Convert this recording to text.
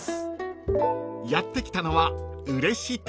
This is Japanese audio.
［やって来たのは］